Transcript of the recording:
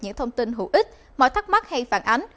những thông tin hữu ích mọi thắc mắc hay phản ánh